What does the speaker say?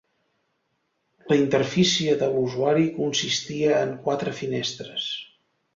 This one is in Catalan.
La interfície de l'usuari consistia en quatre finestres.